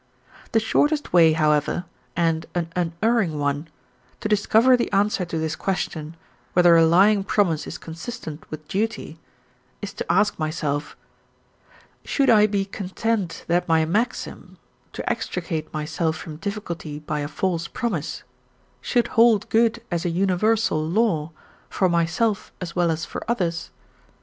The shortest way, however, and an unerring one, to discover the answer to this question whether a lying promise is consistent with duty, is to ask myself, "Should I be content that my maxim (to extricate myself from difficulty by a false promise) should hold good as a universal law, for myself as well as for others?"